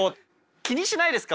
気にしないですか？